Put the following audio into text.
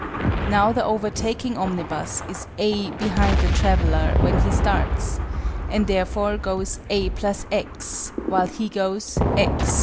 Now the overtaking omnibus is "a" behind the traveller when he starts, and therefore goes "a + x" while he goes "x."